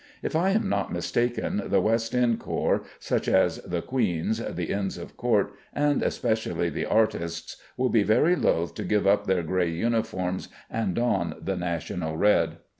If I am not mistaken, the West end corps, such as the Queen's, the Inns of Court, and especially the artists, will be very loth to give up their gray uniforms and don the national red.